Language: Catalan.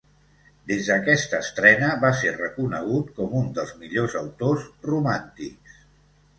Des d'aquesta estrena va ser reconegut com un dels millors autors romàntics.